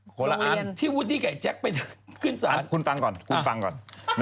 คุณฟังก่อนคุณฟังก่อน